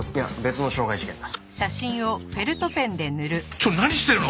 ちょっと何してるの！？